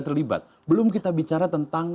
terlibat belum kita bicara tentang